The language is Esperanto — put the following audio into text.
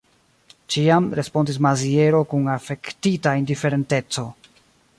Ĉiam, respondis Maziero kun afektita indiferenteco.